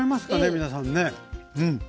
皆さんね。